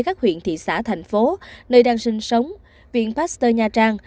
các huyện thị xã thành phố nơi đang sinh sống viện pasteur nha trang